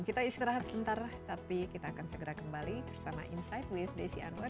kita istirahat sebentar tapi kita akan segera kembali bersama insight with desi anwar